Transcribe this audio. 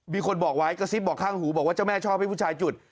มีคนบอกไว้กระซิบบอกข้างหูบอกว่าเจ้าแม่ชอบให้ผู้ชายจุด